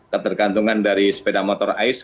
ketergantungan dari sepeda motor ais